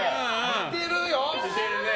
似てるよ！